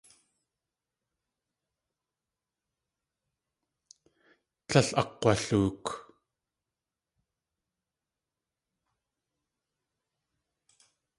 Tlél akg̲walook.